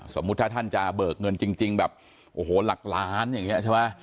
สมมุติถ้าท่านจะเบิกเงินจริงแบบโอ้โหหลักล้านอย่างนี้ใช่ไหม